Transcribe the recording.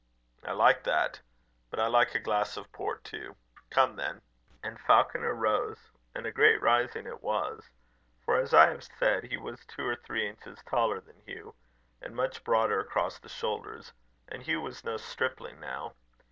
"I like that. But I like a glass of port too. Come then." And Falconer rose and a great rising it was; for, as I have said, he was two or three inches taller than Hugh, and much broader across the shoulders; and Hugh was no stripling now.